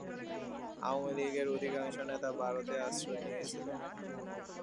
আওয়ামী লীগের অধিকাংশ নেতা ভারতে আশ্রয় নিয়েছিলেন।